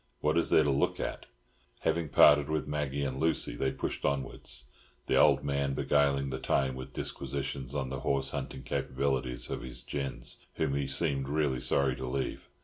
What is there to look at?" Having parted with Maggie and Lucy, they pushed onwards, the old man beguiling the time with disquisitions on the horse hunting capabilities of his gins, whom he seemed really sorry to leave.